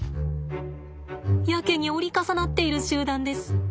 やけに折り重なっている集団です。